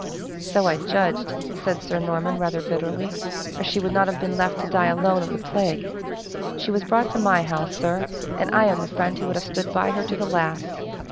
"So I judged," said Sir Norman, rather bitterly, "or she would not have been left to die alone of the plague. She was brought to my house, sir, and I am the friend who would have stood by her to the last!"